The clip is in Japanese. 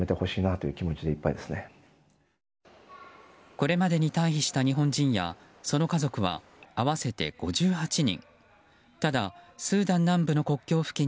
これまでに退避した日本人やその家族は合わせて５８人。